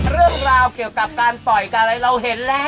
เรื่องราวเกี่ยวกับการปล่อยการอะไรเราเห็นแล้ว